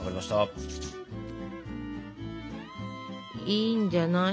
いいんじゃない？